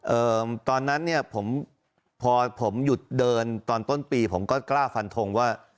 ตอนนั้นเนี่ยผมพอผมหยุดเดินตอนต้นปีผมก็กล้าฟันทงว่า